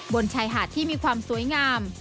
บนชายหาดที่มีความสวยงาม